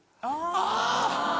あぁ。